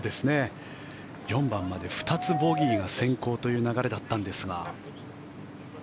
４番まで２つボギーが先行という流れだったんですが。